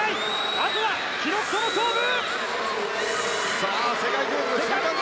あとは記録との勝負！